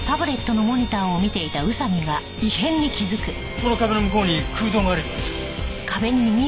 この壁の向こうに空洞があるようです。